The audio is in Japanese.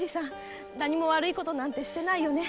何も悪いことしてないよね？